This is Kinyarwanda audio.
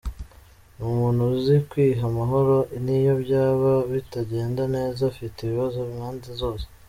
Ni umuntu uzi kwiha amahoro niyo byaba bitagenda neza afite ibibazo impande zose.